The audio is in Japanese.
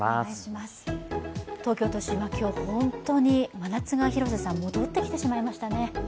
東京都心は今日、本当に真夏が戻ってきてしまいましたね。